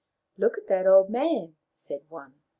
" Look at that old man," said one.